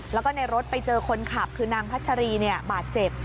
แล้วก็ในรถไปเจอคนขับคือนางพัชรีบาดเจ็บ